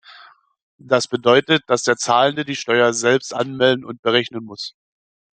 Das bedeutet, dass der Zahlende die Steuer selbst anmelden und berechnen muss.